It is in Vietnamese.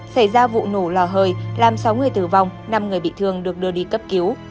xảy ra vụ nổ lò hơi làm sáu người tử vong năm người bị thương được đưa đi cấp cứu